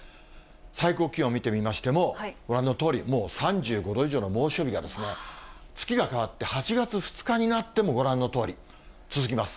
最高気温見てみましても、ご覧のとおり、もう３５度以上の猛暑日が、月が変わって８月２日になっても、ご覧のとおり続きます。